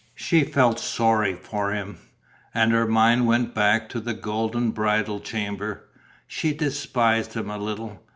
She felt sorry for him; and her mind went back to the golden bridal chamber. She despised him a little.